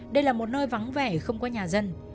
đây là một nơi vắng vẻ không có nhà dân